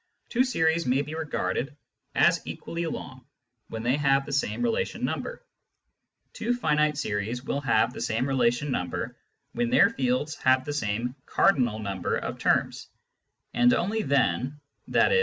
Two series may be regarded as equally long when they have the same relation number. Two finite series will have the same relation number when their fields have the same cardinal number of terms, and only then — i.e.